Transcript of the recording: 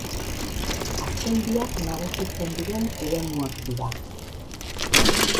Azken biak nagusitzen diren eremuak dira.